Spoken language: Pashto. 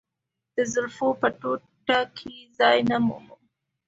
د زلفو په ټوټه کې ځای نه مومم.